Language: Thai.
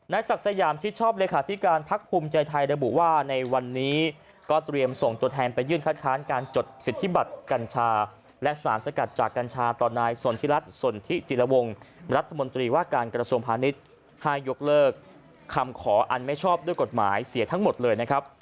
ศักดิ์สยามชิดชอบเลขาธิการพักภูมิใจไทยระบุว่าในวันนี้ก็เตรียมส่งตัวแทนไปยื่นคัดค้านการจดสิทธิบัตรกัญชาและสารสกัดจากกัญชาต่อนายสนทิรัฐสนทิจิลวงรัฐมนตรีว่าการกระทรวงพาณิชย์ให้ยกเลิกคำขออันไม่ชอบด้วยกฎหมายเสียทั้งหมดเลยนะครับ